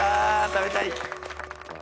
食べたい。